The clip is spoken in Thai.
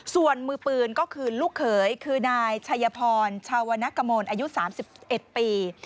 ส่วนมือปืนก็คือลูกเขยคือนายชัยพรชาวนกมลอายุ๓๑ปี